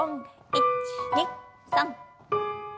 １２３。